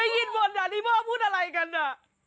ได้ยินหมดอ่ะนี่พ่อพูดอะไรกันอ่ะ